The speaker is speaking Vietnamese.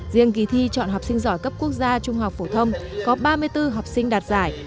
riêng kỳ thi chọn học sinh giỏi cấp quốc gia trung học phổ thông có ba mươi bốn học sinh đạt giải